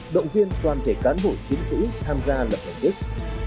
động viên toàn thể cán bộ chiến sĩ tham gia lập hành đích